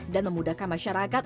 dan memudahkan masyarakat